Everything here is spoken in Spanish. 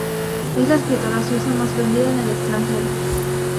Es la escritora suiza más vendida en el extranjero.